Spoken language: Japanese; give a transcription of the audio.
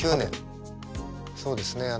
そうですね。